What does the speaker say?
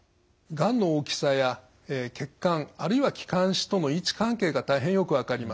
がんの大きさや血管あるいは気管支との位置関係が大変よく分かります。